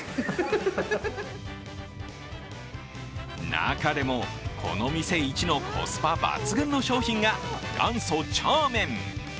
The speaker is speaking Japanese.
中でもこの店イチのコスパ抜群の商品が元祖チャーメン。